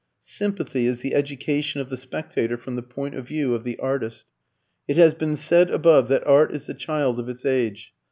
Sympathy is the education of the spectator from the point of view of the artist. It has been said above that art is the child of its age.